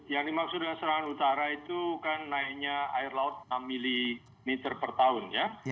yang dimaksud dengan serangan utara itu kan naiknya air laut enam mm per tahun ya